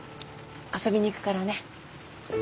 遊びに行くからね。